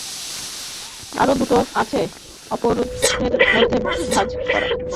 আরও দুটো আছে আপদ্ধর্মের জন্যে ভাঁজ করা।